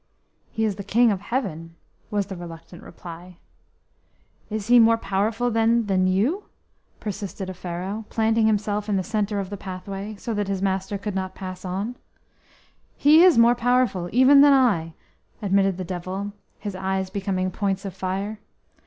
"He is the King of Heaven," was the reluctant reply. S He more powerful, then, than you?" persisted Offero, planting himself in the centre of the pathway so that his master could not pass on. "He is more powerful even than I!" admitted the Devil, his eyes becoming points of fire.